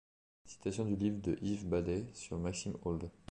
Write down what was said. Citation du livre de Yves Badetz sur Maxime Old.